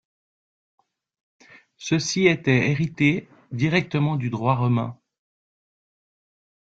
Ceci était hérité directement du droit romain.